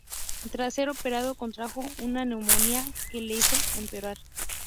Tras ser operado, contrajo una neumonía que le hizo empeorar.